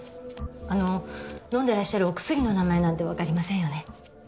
あの飲んでらっしゃるお薬の名前なんて分かりませんよね？